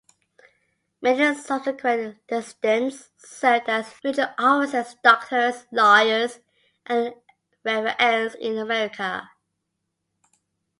Many subsequent descendants served as military officers, doctors, lawyers, and reverends here in America.